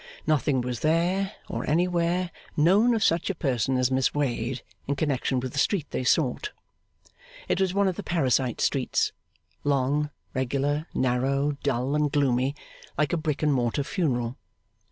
Nothing was there, or anywhere, known of such a person as Miss Wade, in connection with the street they sought. It was one of the parasite streets; long, regular, narrow, dull and gloomy; like a brick and mortar funeral.